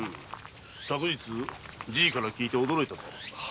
昨日じぃから聞いて驚いたぞ。